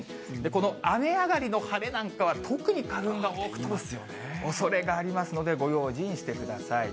この雨上がりの晴れなんかは、特に花粉が多く飛ぶおそれがありますので、ご用心してください。